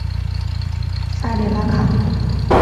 萨迪拉克。